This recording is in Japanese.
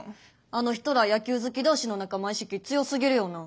あの人ら野球好き同士の仲間意識強すぎるよな。